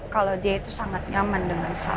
kalau dia itu sangat nyaman dengan saya